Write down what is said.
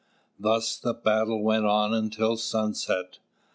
Thus the battle went on until sunset.